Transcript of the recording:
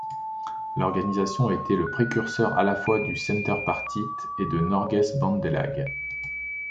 L'organisation a été le précurseur à la fois du Senterpartiet et de Norges Bondelag.